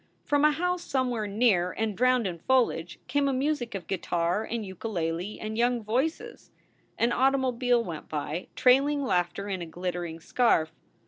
From a house somewhere near and drowned in foliage came a music of guitar and ukulele and young voices. An automobile went by, trailing laughter in a glittering scarf.